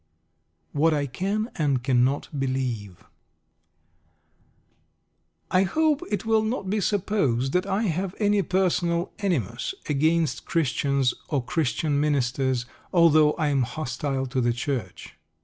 WHAT I CAN AND CANNOT BELIEVE I hope it will not be supposed that I have any personal animus against Christians or Christian ministers, although I am hostile to the Church.